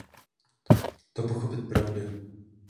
To pochopitelně není pravda.